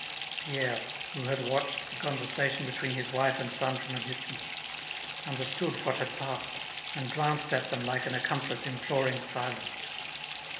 Pierre, who had watched the conversation between his wife and son from a distance, understood what had passed and glanced at them like an accomplice imploring silence.